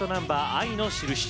「愛のしるし」。